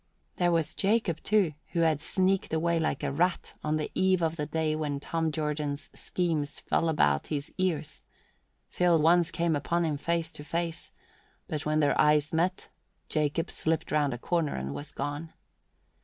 There was Jacob, too, who had sneaked away like a rat on the eve of the day when Tom Jordan's schemes fell about his ears: Phil once came upon him face to face, but when their eyes met Jacob slipped round a corner and was gone.